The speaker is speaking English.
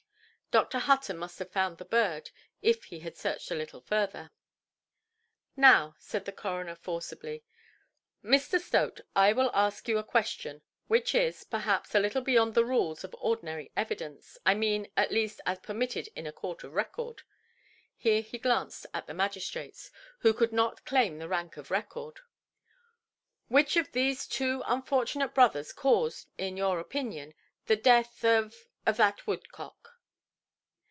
Dr. Hutton must have found the bird, if he had searched a little further. "Now", said the coroner, forcibly. "Mr. Stote, I will ask you a question which is, perhaps, a little beyond the rules of ordinary evidence, I mean, at least, as permitted in a court of record"—here he glanced at the magistrates, who could not claim the rank of record—"which of these two unfortunate brothers caused, in your opinion, the death of—of that woodcock"?